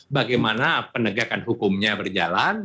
bagaimana penegakan hukumnya berjalan